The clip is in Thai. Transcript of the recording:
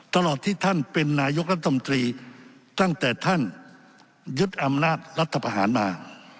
ตลอดที่ท่านเป็นนายกรัฐมนตรีตั้งแต่ท่านยึดอำนาจรัฐประหารมา